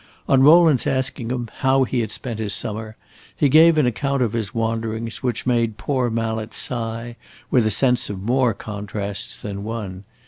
On Rowland's asking him how he had spent his summer, he gave an account of his wanderings which made poor Mallet sigh with a sense of more contrasts than one.